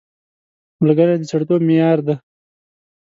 ملګری د سړیتوب معیار دی